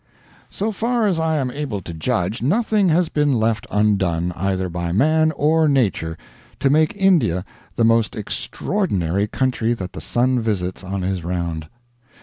So far as I am able to judge, nothing has been left undone, either by man or Nature, to make India the most extraordinary country that the sun visits on his round.